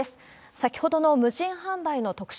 先ほどの無人販売の特集